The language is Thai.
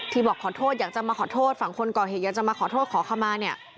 บอกขอโทษอยากจะมาขอโทษฝั่งคนก่อเหตุอยากจะมาขอโทษขอขมาเนี่ย